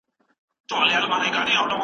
د بدن قوت لپاره شیدې څښئ.